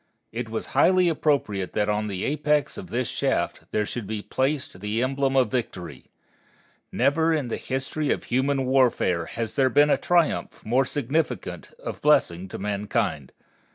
It was highly appropriate that on the apex of this shaft there should be placed the emblem of Victory. Never in the history of human warfare has there been a triumph more significant of blessing to mankind.